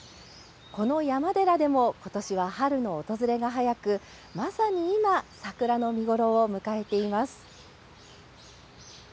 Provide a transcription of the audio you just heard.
この山寺でも、ことしは春の訪れが早く、まさに今、桜の見頃を迎えています。